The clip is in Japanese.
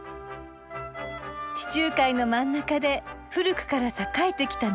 地中海の真ん中で古くから栄えてきた港町。